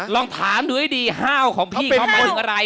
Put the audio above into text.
ลองถามดูให้ดีห้าวของพี่เขาหมายถึงอะไร